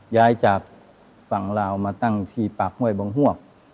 ย้ายจากฝั่งลาวมาตั้งที่ปากห้วยบงฮวก